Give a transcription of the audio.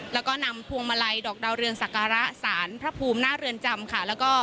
แล้วก็นำพวงมาลัยดอกดาวเรืองศักระสารพระภูมิหน้าเรือนจำค่ะแล้วก็